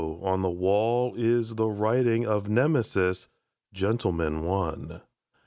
on the wall is the writing Of Nemesis, "Gentleman, One".